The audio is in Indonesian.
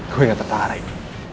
gue gak tertarik